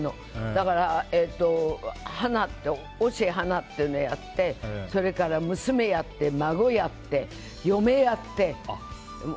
だからオシ・ハナっていうのをやってそれから娘をやって、孫をやって嫁をやって。